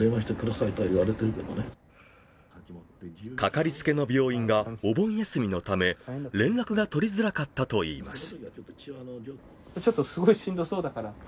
かかりつけの病院がお盆休みのため連絡が取りづらかったといいます。